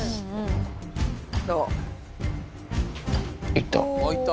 行った。